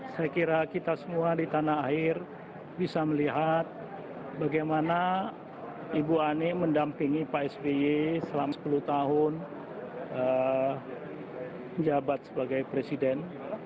saya kira kita semua di tanah air bisa melihat bagaimana ibu ani mendampingi pak sby selama sepuluh tahun menjabat sebagai presiden